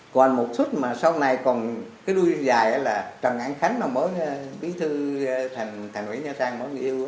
còn một suất mà sau này còn cái đuôi dài là trần anh khánh mà mới bí thư thành thầy nội nhà trang mới yêu